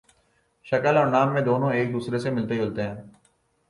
شکل اور نام میں دونوں ایک دوسرے سے ملتے جلتے ہیں